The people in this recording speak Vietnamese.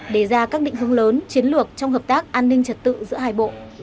để ra các định hướng lớn chiến lược trong hợp tác an ninh trật tự giữa hai bộ